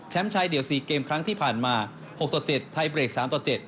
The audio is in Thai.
ชายเดี่ยว๔เกมครั้งที่ผ่านมา๖ต่อ๗ไทยเบรก๓ต่อ๗